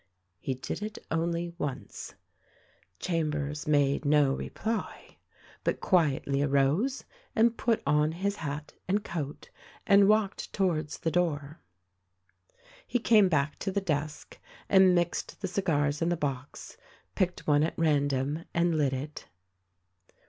He did it only once. Chambers made no reply, but quietly arose and put on his hat and coat and walked towards the door. He came back to the desk and mixed the cigars in the box, picked one at random and lit it.